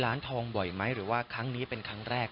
หน้าตาก็ไม่ได้ยิ้มแย้มหน้าตาก็ไม่ได้ยิ้มแย้ม